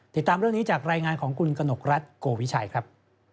ติดตามเรื่องนี้จากรายงานของคุณกนกรัฐโกวิชัยครับ